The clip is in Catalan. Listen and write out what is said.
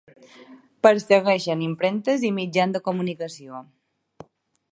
Persegueixen impremtes i mitjans de comunicació.